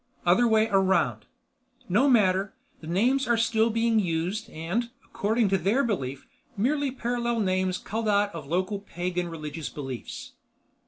"Other way around." "No matter. The names are still being used and, according to their belief, merely parallel names culled out of local pagan religious beliefs."